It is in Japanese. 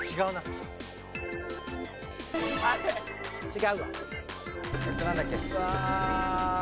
違うわ。